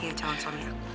iya calon suami aku